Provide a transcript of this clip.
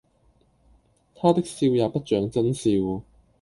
他的笑也不像眞笑。